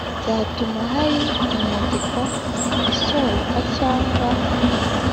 byatuma hari inyandiko isohoka cyangwa